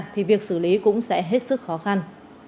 thì việc xử lý cũng sẽ hết sức khó khăn